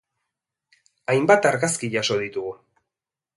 Hainbat argazki jaso ditugu.